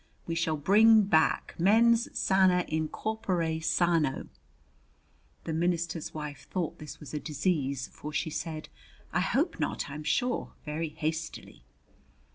We shall bring back 'Mens sana in corpore sano'." The minister's wife thought this was a disease, for she said, "I hope not, I'm sure," very hastily.